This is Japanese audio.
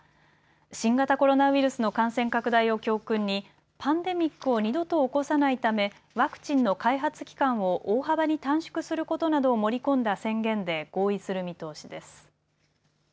新型コロナウイルスの感染拡大を教訓にパンデミックを二度と起こさないためワクチンの開発期間を大幅に短縮することなどを盛り込んだ宣言で合意する見通しです。